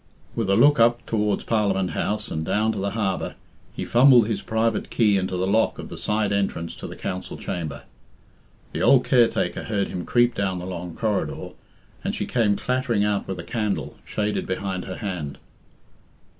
With a look up towards Parliament House and down to the harbour, he fumbled his private key into the lock of the side entrance to the council chamber. The old caretaker heard him creep down the long corridor, and she came clattering out with a candle, shaded behind her hand.